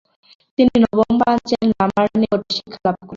তিনি নবম পাঞ্চেন লামার নিকট শিক্ষালাভ করেন।